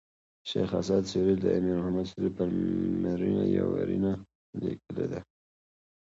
شېخ اسعد سوري د امیر محمد سوري پر مړینه یوه ویرنه لیکلې ده.